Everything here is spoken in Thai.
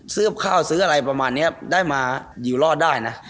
ซื้อข้าวซื้ออะไรประมาณนี้ได้มาอยู่รอดได้นะ